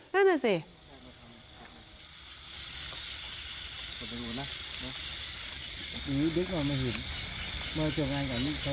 นั่นแหละสิ